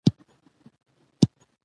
زه بېهدف ژوند نه کوم.